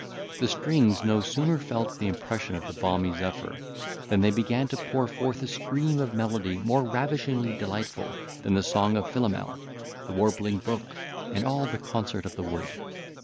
The strings no sooner felt the impression of the balmy zephyr, than they began to pour forth a stream of melody more ravishingly delightful than the song of Philomel, the warbling brook, and all the concert of the wood.